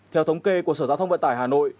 theo thống kê của sở giao thông vận tải hà nội